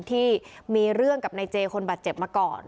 ที่มีเรื่องกับนายเจคนบาดเจ็บมาก่อน